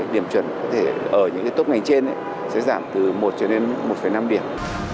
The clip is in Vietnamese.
điểm chuẩn có thể ở những tốt ngành trên sẽ giảm từ một cho đến một năm điểm